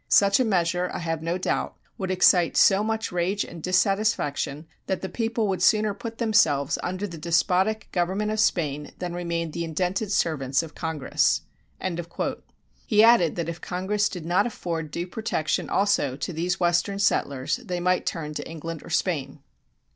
Such a measure, I have no doubt, would excite so much rage and dissatisfaction that the people would sooner put themselves under the despotic government of Spain than remain the indented servants of Congress." He added that if Congress did not afford due protection also to these western settlers they might turn to England or Spain.